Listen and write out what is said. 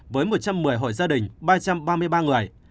với một trăm một mươi hội gia đình ba trăm ba mươi ba người